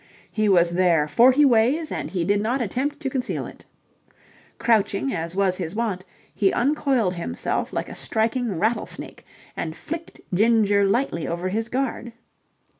He was there forty ways and he did not attempt to conceal it. Crouching as was his wont, he uncoiled himself like a striking rattlesnake and flicked Ginger lightly over his guard.